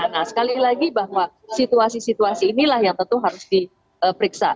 nah sekali lagi bahwa situasi situasi inilah yang tentu harus diperiksa